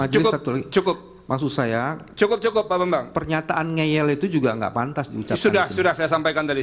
cukup cukup cukup cukup pernyataan ngeyel itu juga nggak pantas sudah sudah saya sampaikan dari